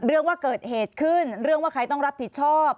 ว่าเกิดเหตุขึ้นเรื่องว่าใครต้องรับผิดชอบ